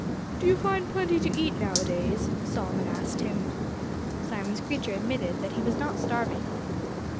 "Do you find plenty to eat nowadays?" Solomon asked him. Simon Screecher admitted that he was not starving.